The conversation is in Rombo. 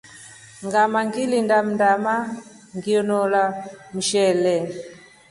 Ngama ngilinda mndana nginola mshele.